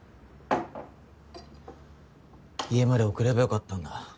家まで送ればよかったんだ。